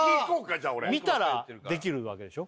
じゃあ俺見たらできるわけでしょ？